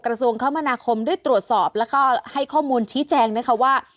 กระทรวงคมนาคมได้ตรวจสอบแล้วก็ให้ข้อมูลชี้แจงนะคะว่า